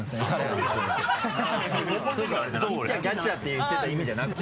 ピッチャーキャッチャーって言ってた意味じゃなくて？